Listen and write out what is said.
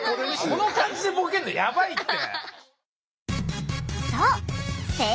この感じでボケんのやばいって。